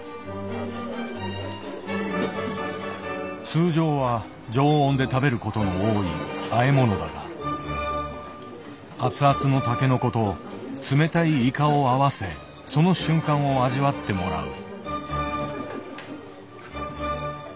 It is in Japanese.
通常は常温で食べることの多いあえ物だが熱々のタケノコと冷たいイカを合わせその瞬間を味わってもらう。